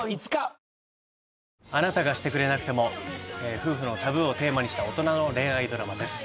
夫婦のタブーをテーマにした大人の恋愛ドラマです。